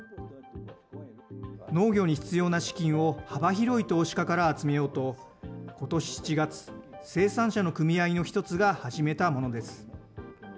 農業に必要な資金を幅広い投資家から集めようと、ことし７月、生産者の組合の１つが始めたものです。